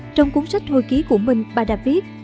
trong cuốn sách thôi ký của mình bà đã viết